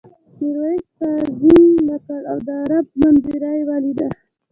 میرويس تعظیم وکړ او د غروب منظره یې ولیده.